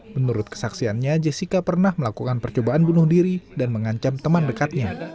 menurut kesaksiannya jessica pernah melakukan percobaan bunuh diri dan mengancam teman dekatnya